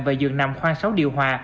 và giường nằm khoang sáu điều hòa